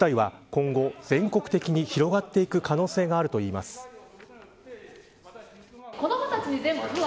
専門家によると、こうした事態は今後、全国的に広がっていく可能性があるといいます。